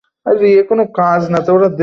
কিন্তু কোথায় দিচ্ছি আমি জানি না।